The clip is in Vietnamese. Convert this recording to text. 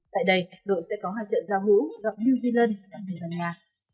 tại đây đội sẽ có hai trận giao hữu gặp new zealand và nga